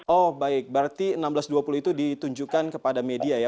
oh baik berarti enam belas dua puluh itu ditunjukkan kepada media ya